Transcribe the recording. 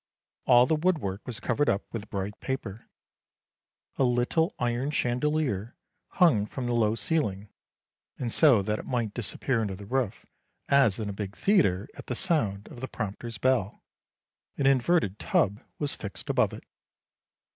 All the woodwork was covered up with bright paper. A little iron chandelier hung from the low ceiling, and so that it might disappear into the roof, as in a big theatre at the sound of the prompter's bell, an inverted tub was fixed above it.